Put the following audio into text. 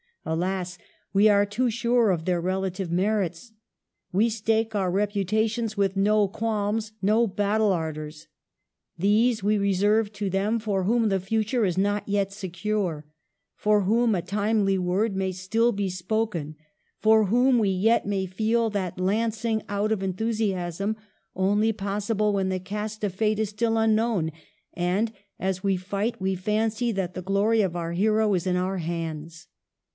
Alas ! we are too sure of their relative merits ; we stake our reputations with no qualms, no battle ardors. These we reserve to them for whom the future is not yet secure, for whom a timely word may still be spoken, for whom we yet may feel that lancing out of enthusiasm only possible when the cast of fate is still unknown, and, as we fight, we fancy that the glory of our hero is in our hands.